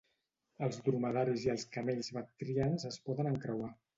Els dromedaris i els camells bactrians es poden encreuar.